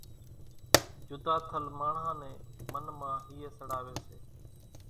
جُڌا ٿل ماڻۿان نين من مان ھئي سڙاوي سي۔